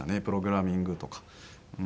プログラミングとか。